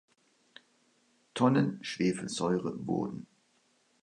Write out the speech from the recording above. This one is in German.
Tonnen Schwefelsäure wurden.